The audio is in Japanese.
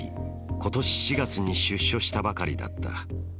今年４月に出所したばかりだった。